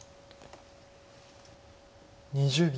２０秒。